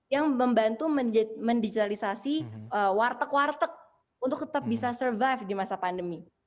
yang membantu mendigitalisasi warteg warteg untuk tetap bisa survive di masa pandemi